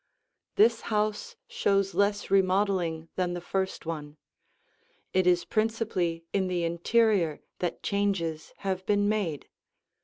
This house shows less remodeling than the first one; it is principally in the interior that changes have been made.